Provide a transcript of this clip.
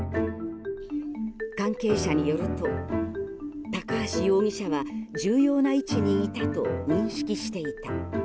関係者によると高橋容疑者は重要な位置にいたと認識していた。